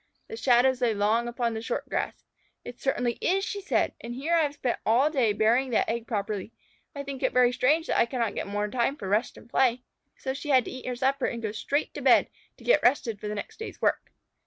The shadows lay long upon the short grass. "It certainly is," she said. "And here I have spent all day burying that egg properly. I think it very strange that I cannot get more time for rest and play." So she had to eat her supper and go straight to bed to get rested for the next day's work.